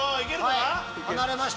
はい離れました。